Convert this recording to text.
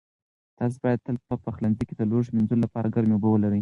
تاسو باید تل په پخلنځي کې د لوښو مینځلو لپاره ګرمې اوبه ولرئ.